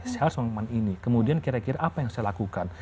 saya harus ngomong ini kemudian kira kira apa yang saya lakukan